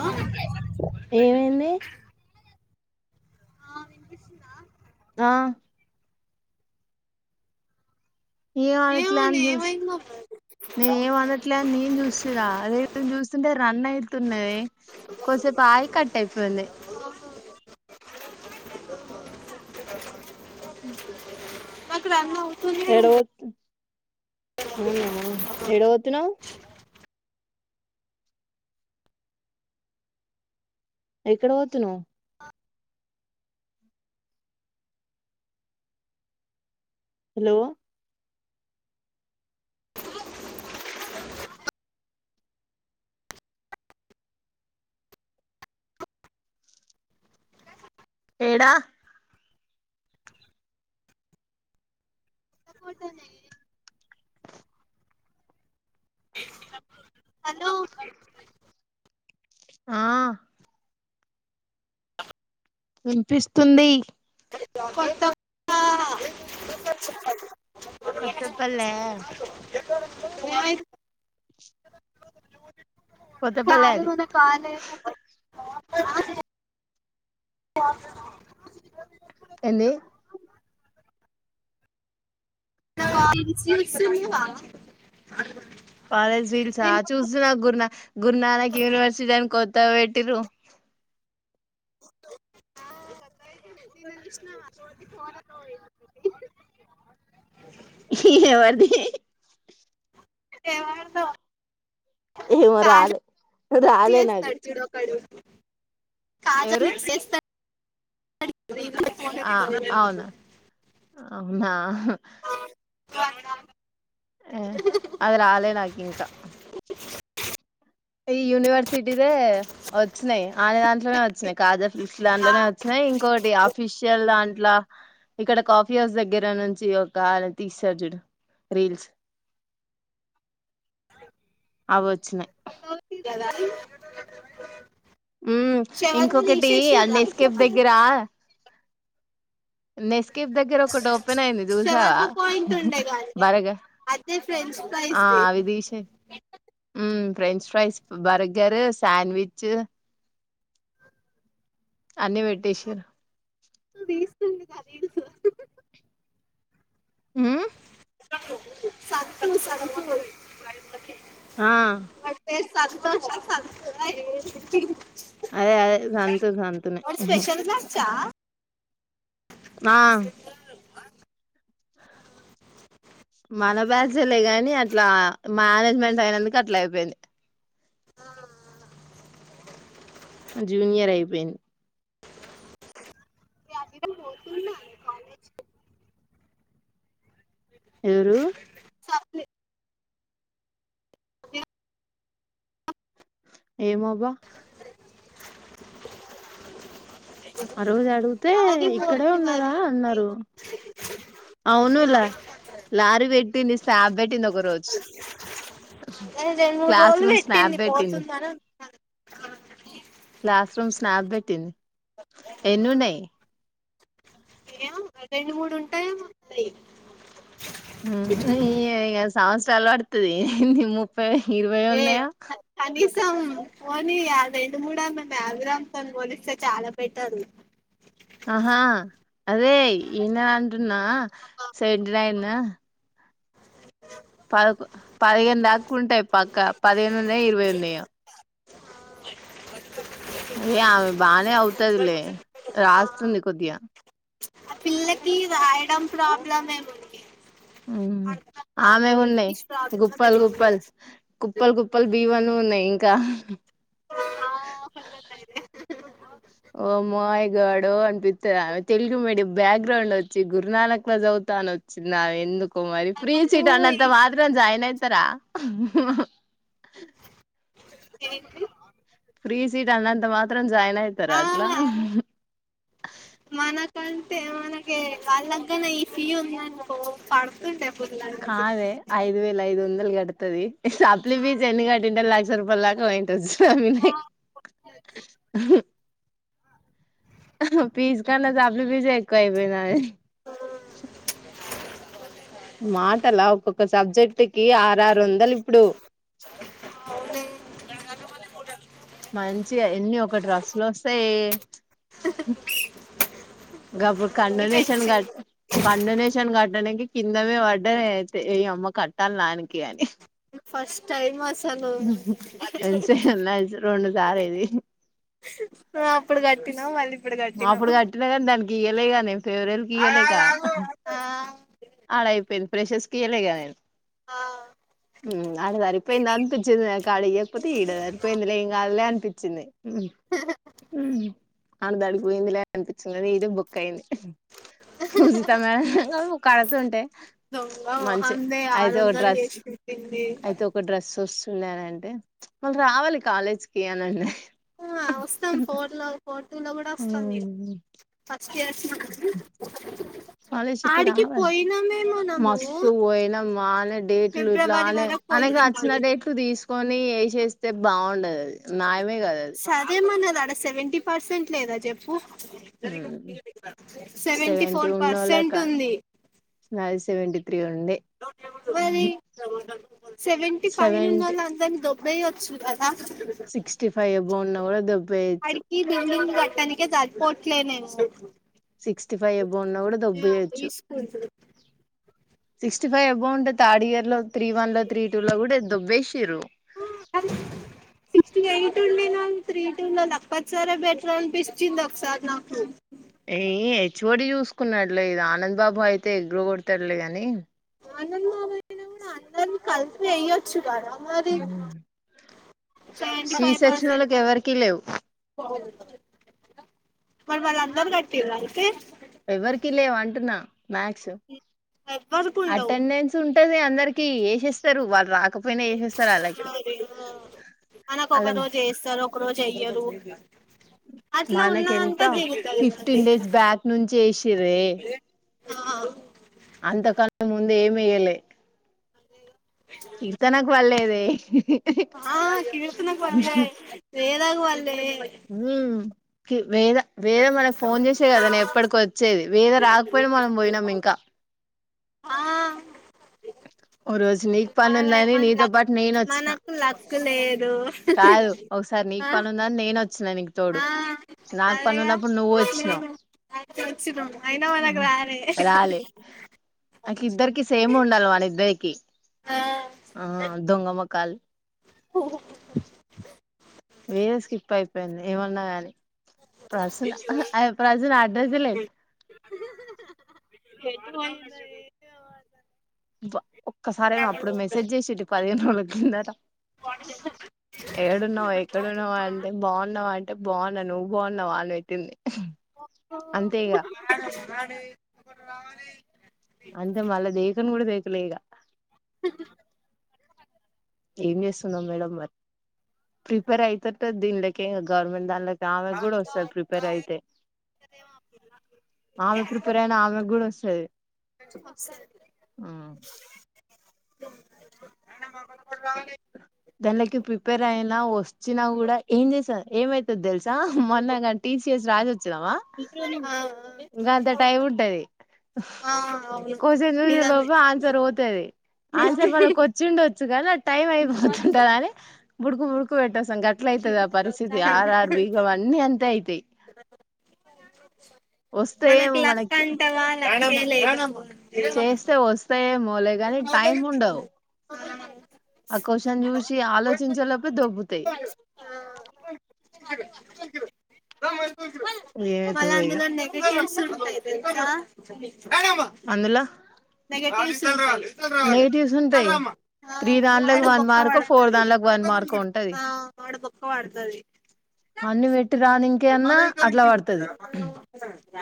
ఆ ఏమైంది ఆ వినిపిస్తుందా ఆ ఏం అనట్లే ఏమోనే జుస్ ఏమైందో మరి నేను ఏం అనట్లే అని నేను చూస్తున్న అదే నేను చూస్తుంటే రన్ అయితున్నది. కోసేపు ఆగి కట్టు అయిపోయింది. ఉ మాకు రన్ను ఏడ వొతు ఏడవోతున్నవు. ఎక్కడ పోతున్నవు. హలో ఏడా [unintelligible] హలో ఆ వినిపిస్తుంది కొత్త కొత్త కొత్తపల్లే [unintelligible] కొత్తపల్లె కాదు అది మన కాల్ [unintelligible] ఎంది రీల్స్ చూస్తున్నావా కాలేజ్ రీల్స ఆ నేను చూస్తున్నా గురునా గురునానక్ యూనివర్సిటీ అని కో త్తగా పెట్టిడ్రూ [inaudible] ఎవరీది ఎవరిదో ఏమో రాలే [unintelligible] రాలే నాకు చేస్తడు చుడు ఒకడు కాజ ఎవరు [unintelligible] ఆ అవునా అమ్మ [unintelligible] ఆ అదిరాలే నాకు ఇంకా ఈ యూనివర్సిటీదే వచ్చినాయి ఆల్ల దాంట్లోనే ఓచ్చినాయి కాజా రీల్స్ ఆ, దాంట్లోనే వచ్చినాయి ఇంకోటి అఫిషియల్ దాంట్ల ఇక్కడ కాఫీ హౌస్ దగ్గర నుంచి ఒక ఆయన తీసారు చుడు రీల్స్ అవిచ్చినయి కొత్తది ఉమ్ షాప్ ఇంకొకటి తేసేసిండ్రా నెస్కేప్ దగ్గర నెస్కేఫ్ దగ్గర ఒకటి ఓపెన్ అయింది చూసావా షవర్మ పాయింట్ ఉండే గాని బర్గర్ అదే ఫ్రెంచ్ ఫ్రైస్ ఆ ది అవి తేసి ఉం ఫ్రెంచ్ ఫ్రైస్ బర్గ గర్ సాండ్విచ్ అన్ని పెట్టేసిర్రు వేస్ట్డి కదిడు [inaudible] ఉహ్ సంతూ సంతూ ఆ సంతోష్ కీ సాదు అదే అదే సంతు సంతునే [inaudible] వాడు స్పెషల్ బ్యాచ్ ఆ ఆ మన బ్యాచ్ హే లే గాని అట్లా మేనేజ్మెంట్ అయినందుకు అట్లా అయిపోయింది ఆ జూనియర్ అయిపోయింది ఈ అఖిల పోతుండా కాలేజ్ ఎవరు సప్లి ఏమో అబ్బా ఆ రోజు అడిగితే ఇక్కడే సాగిపోతుంది ఉన్నారా మరి అన్నారు అవును లా అదే లారీ పెట్టింది స్నాప్ పెట్టింది ఒక రోజు ఏ రెండు మూడు క్లాస్ రోజులు రూమ్ స్నాప్ పెట్టింది పోతుందని అన్నారు క్లాస్ రూమ్ స్నాప్ పెట్టింది ఎన్ని ఉన్నాయి రెండు మూడు ఉంటాయి ఏమో మరి ఉం ఇగ సంవత్సరాలు పడుతుది నీ ము ఏ కనీసం పోనీ రెండు మూడు అన్న బాగ్రౌండ్స్ తోనే పోలిస్తే చాలా బెటర్ ఆహా అదే ఈయన అంటున్నా సెవెంటీ నైన్ పద పదిహేను దాకా ఉంటాయి పక్క పదిహేను ఉన్నాయ ఇరవై ఉన్నాయా అయ్యే ఆమె బానే అవుతదిలే రాస్తుంది కొద్దిగా ఆ పిల్లకి రాయడం ప్రాబ్లం మేముంది ఉం ఆమె ఉన్నాయి ప్రాబ్లమ్ గుప్పలు తెలుగు గుప్పలు కుప్పలు కుప్పలు బియవాలో ఉన్నాయి కా ఆ సంగతైతే ఓ మయి గాడో అనిపిత్త ఆమె తెలుగు మీడియమ్ బ్యాక్గ్రౌండ్ వచ్చి గురునానక్ లో చదువు న వచ్చింది ఎందుకు కొ మరి ఫ్రీ మనకు సీట్ అన్నంత మాత్ర జాయిన్ అయితారా ఏంటి ఫ్రీ సీట్ అన్నంత మాత్రం జాయిన్ అయితారా ఆ అట్లా అంటే మనకి కాళ్ళ్గనే ఈ ఫీ ఉంది అనికో పడుతుంటే [unintelligible] కాదే ఐదు వేల ఐదు వందలు కడుతుది సప్లి ఫీజ్ ఎన్ని కట్టింట ల సపలాగా [unintelligible] అయింత ఫీజు కన్నా సఫ్లి ఫీజు ఎక్కువ అయిపోయినది మాటలా ఒక్కొక్క సబ్జెక్ట్ కి ఆరు ఆరు వందలు ఇప్పుడు మంచి ఎన్ని ఒక డ్రస్లు వస్తాయి గప్పుడు అన్ని కండోనేషన్ గట్ పెంచింది కండోనేషన్ కట్టనికి కిందమే పడ్డ నేనైతే ఈ అమ్మ కట్టాలి వానికి అని ఫస్ట్ టైమ్ వస్ ఎంచ రొండు సారేది అప్పుడు గటినా మళి అప్పుడు కట్టినా గానీ దానికి ఇయలే గ నేను ఫేరెవెల్ కి ఇయ్వలేక ఆ ఆలా అయిపోయింది ఫ్రెషర్స్ కియ్యలేగ నేను మ్ ఆడ సరిపోయింది అనిపించింది నా కాడ ఇయ్వకపోతే ఈడ సరిపోయింది లే ఏం కాదులే అనిపించింది మ్ ఆళది అటుపోయింది లే అనిపిచింది ఇదే బుక్ అయింది పూజిత మేడం గారు కడుతుంటే దొంగ మంచి మొహందే ఆరు అయితే ఒక వందలు డ్రస్ చేసి పెట్టింది అయితే ఒక డ్రస్ వస్తు నేనంటే వాళ్ళు రావాలి కాలేజ్ కి అనింది మ్ఫోర్ లో ఫోర్ టు లో గూడా వస్తంది ఫస్ట్ ఇయర్స్ కాలేజీకి ఆడికి రావాలి పోయినామే మనము మస్తు పోయిన మానే డేట్లు ఫిబ్రవరి ఇట్లానే వరకు అనకి పోయినాం నచ్చిన ఆడికి డేట్లు తీసుకు కొని ఏ సేస్తే బావుండదు అది న్యాయమే కదా అది సరేమనది అడ సెవెంటీ పర్సెంట్ లేదా చెప్పు మ్ సెవెంటీ ఫోర్ ఉన్నోళ్ల పర్సెంట్ క ఉంది నాది సెవెంటీ త్రీ ఉండే మరి సెవెంటి పైన సెవెంటీ ఉన్నోళ్ళందర్ని! ! ! ! ! ! ! ! ! ! గ సిక్స్టీ ఫైవ్ ఎబో ఉన్నా కూడా దొబ్బేయచ్చు ఆడికి! ! ! ! ! ! ! ! ! ! సరిపోట్లేనేను సిక్స్టీ ఫైవ్ ఎబౌ ఉన్నా కూడా! ఈ ! ! ! స్కూల్ ! ! ! ! ! ! సిక్స్టీ ఫైవ్ ఎబౌ ఉంటే థర్డ్ ఇయర్ లో త్రీ వన్ లో త్రీ టూ లో కూడా! ! ! ! ! ! ! ! ! ! అ ఎయిట్ ఉండే నాం త్రీ టు లొ లక్ పత్సా రే బెటర్ అనిపించింది ఒకసారి నాకు ఎవడు చూసుకున్నాడులే ఇది ఆనంద్ బాబు అయితే ఎగ్ రి కొడతాడులే గాని ఆనంద బాబయినా కూడా అందరు కలిసి వెయ్యొచ్చు కదా మ్ సెవెంటి ఫైవ్ పర్సంట్ లేవు మరి వాళ్ళందరు కట్టీర్రా అయితే ఎవరికి లేవ అంటున్నా మ్యాక్స్ ఎవ్వరికి ఉండవు అటెండెన్స్ ఉంటది అందర్ ఏ సేస్తరు వాళ్ళు రాక మనకు అలా ఒక రోజు ఏస్తారు ఒక రోజు ఎయ్యరు అ అట్లా మనకెంత ఉన్నదంతా జేగుత మనది ఫిఫ్టీన్ డేస్ బ్యాక్ నుంచి వేసిర్రే ఆ అంతకన్నా ముందే ఏమీయ్యలే కీర్తనకు పల్లేదే ఆ కీర్తనకు పలే వేదాకు పల్లే ఉమ్ వేద వేద మనకు ఫోన్ చేసే కదనే ఎప్పటికో వచ్చేది వేద రాకపోయినా మనం పోయినాం ఇంకా ఆ ఓ రోజు నీకు పని మన ఉందని మన నీతో లక్ పాటు నేను వచ్చిన మనకు లక్ లేదు కాదు సర్ నీకు ఆ పనుందని నేను వచ్చిన నీకు తోడు ఆ నాకు పని అదేగా ఉన్నప్పుడు నువ్వు వచ్చినావు నేను వచ్చినం అయినా మనకు రా సరే మాకి ఇద్దరికి సేమ్ ఉండాలి మన ఇద్దరికి ఆ ఆ దొంగమోఖాలు ఓ వేరే స్కిప్ అయిపోయింది ఏమన్నా కానీ ఇపండసల అహ ఇపుడసల అడ్రసే లేదు ఎక్కువయింది ఒక్కసారే అప్పుడు మెసేజ్ చేసింది పదిహేనురోజుల కిందట ఎక్కడున్నావు ఎక్కడున్నావా అంటే బాగున్నావు అంటే బాగున్నావు నువ్వు బాగున్నావు అని పెట్టింది అంతే ఇగ అడు అంతే మళ్ళా దేకను కూడా దేకులే ఇక ఏం చేస్తున్నాం మేడం మరి ప్రిపేర్ అయితు దీనిలోకే గవర్నమెంట్ దానిలో ఆమెకి కూడా వస్తాది ప్రిపేర్ అయితే ఆమె ప్రిపేర్ అయిన ఆమె కూడా వస్తాది సర దానిలకి ప్రిపేర్ అయినా వచ్చినా కూడా ఏం చేసారు ఏమైతుది తెల్సా మొన్నగా టి సిఎస్ రా ఆ ఆ ఇంకా అంత టైం ఉంటది ఆ ఆ అవును క్వశ్చన్ చూసి నిజమే లోప ఆన్సర్ పోతుది ఆన్సర్ మనకి వచ్చిండచ్చు కానీ అ టైం అయిపోతుంటా అని బుడుకు బుడుకు పెట్టొస్త గట్ల అయితదా పరిస్థితి ఆరు ఆరు బీ అన్ని అంత అయితయి [inaudible] మనకి లక్క అంటవా లేని లేదు చేస్తే వస్తాయమోలే గాని టైం ఉండవు ఆ క్యూషన్ చూసి ఆలోచించ లోపే దొబ్బుతు తాయి వాళ్ళ ఇగ అందులో నెగిటివ్స్ అందులో నెగిటివ్స్ ఉంటాయి నెగిటివ్స్ ఉంటాయి త్రీ దాంట్లకు ఆ వన్ బొక్క మార్కో ఫోర్ పడతాది దాంట్లకు వన్ మార్కో ఉంటది ఆ వాడు బొక్క పడతాది అన్ని పెట్టి రాని ఇంకే అన్నా అట్లా పడుతుది తిరుగు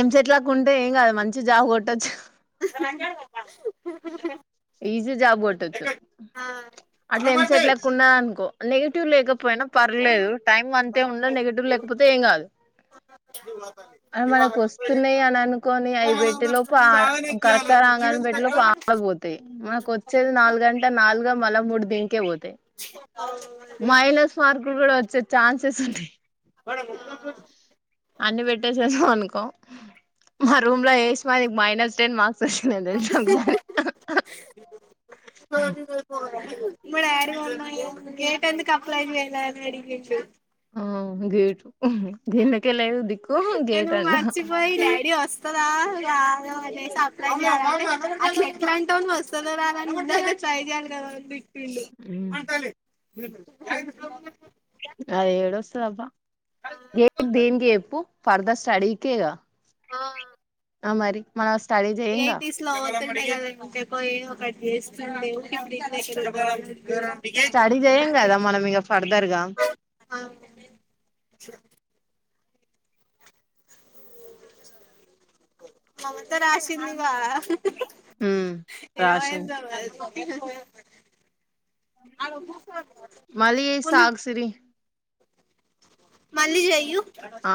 ఎంసెట్ లెక్క ఉంటే ఏం కాదు మంచి జాబ్ కొట్టచు ర ఈజీ జాబ్ కొట్టొచ్చు అట్ల మనమైతే ఎంసెట్ లెక్క ఉన్నా అనుకో నెగిటివ్ లేకపో పోయినా పర్లేదు టైం అంతే ఉన్నా నెగటివ్ లేకపోతే ఏం కాదు ఇవాళ మనకు వస్తున్నాయి అని అనుకోని అవి మన బెట్టటిలో ఆ ముందు ఆయనే చేయాలి కరెక్టా రాంగా అని నీవెంత పెట్టెలోపు [unintelligible] పోతాయ్ మనకి వచ్చేదే నాలుగంటే నాలుగు ఇప్పుడు దింకే పోతాయి ఆ, అది. మైనస్ మార్కులు కూడా వచ్చే ఛాన్సెస్ ఉంటాయి అన్ని పెట్టసాను అనుక్ మా రూమ్ లో ఏస్ మాది మైనస్ టెన్ మార్స్ మార్క్స్ వచ్చినాయి తెలుసా ఒకసారే మా డాడీ మొన్న గేట్ ఎందుకు అప్లై చెయ్లా అని అడిగిండు ఆ గేటు దిన్లకే లేదు దిక్కు నేను గేట్ అంట మర్చిపోయి డాడీ వస్ వస్తదా రాదో అనేసి అప్లై చెయ్లా అట్ల ఎట్లంటావ్ నువు అస్సలు వస్తదా రాదా అని ట్రై చేయాలి కదా అని తిట్టిండు అది ఏదోస్థదబ్బా గేట్ దేనికి చూపు ఫర్దర్ స్టడీకెగా ఆ ఆ మరి మనం స్టడీ చెయ్యంగా ఎయిటీస్ లో అవుతుండే ఏదో ఒకటి చేస్తుంది [inaudible] స్టడీ చేయం కదా మనం ఇక ఫర్దర్గా ఆ మమత రాసిందిగా ఏం రాసింది అయిందో మరి ఆడ కాకున్నారూ సర్ మళ్ళీ వాళ్ళు సాగు సిరి మళ్ళీ జెయు ఆ